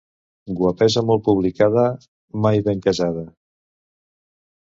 Guapesa molt publicada, mai ben casada.